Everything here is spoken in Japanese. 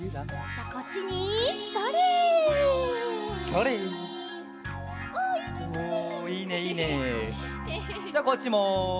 じゃこっちも。